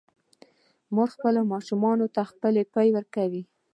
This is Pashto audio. مور خپل ماشوم ته خپل پی ورکوي